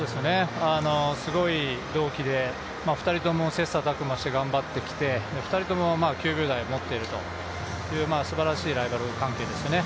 すごい同期で２人とも切磋琢磨して頑張ってきて、２人とも９秒台を持っているというすばらしいライバル関係ですよね。